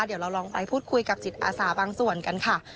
เดี๋ยวเราลองไปพูดคุยกับจิตอาสาบางส่วนกันค่ะ